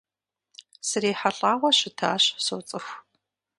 СрихьэлӀауэ щытащ, соцӀыху.